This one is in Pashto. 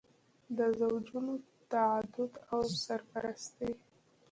د زوجونو تعدد او سرپرستي.